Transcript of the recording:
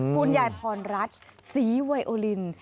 คุณยายพรรัฐศรีไวโอลิน